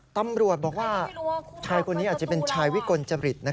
ตำรวจบอกว่าชายคนนี้อาจจะเป็นชายวิกลจริต